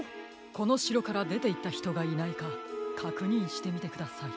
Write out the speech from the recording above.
このしろからでていったひとがいないかかくにんしてみてください。